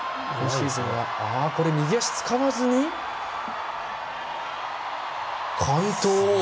これ、右足使わずに完登。